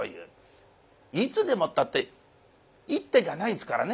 いつでもったって１手じゃないですからね